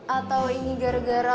atau ini gara gara